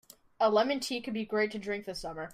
A lemon tea could be great to drink this summer.